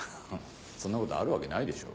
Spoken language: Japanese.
そんなことあるわけないでしょ。